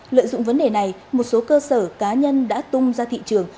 lợi dụng vấn đề này một số cơ sở cá nhân đã tung ra thị trường